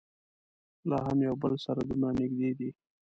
لا هم یو بل سره دومره نږدې دي.